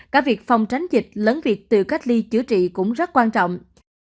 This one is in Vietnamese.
cả việc phòng tránh dịch lớn việc từ cách ly chữa trị cũng rất quan trọng